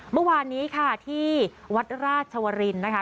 เมื่อวานนี้ค่ะที่วัดราชวรินนะคะ